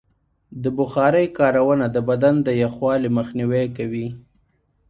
د بخارۍ کارونه د بدن د یخوالي مخنیوی کوي.